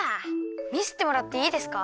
みせてもらっていいですか？